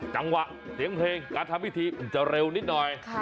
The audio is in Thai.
จังหวะเสียงเพลงการทำพิธีจะเร็วนิดหน่อย